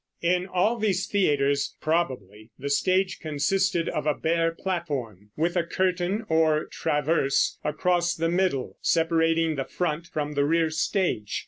In all these theaters, probably, the stage consisted of a bare platform, with a curtain or "traverse" across the middle, separating the front from the rear stage.